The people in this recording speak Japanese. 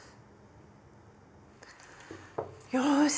よし！